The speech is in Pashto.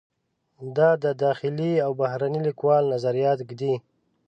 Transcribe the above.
د داخلي و بهرني لیکوالو نظریات ږدي.